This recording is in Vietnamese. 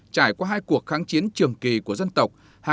trải qua hai cuộc kháng chiến trường kỳ của dân tộc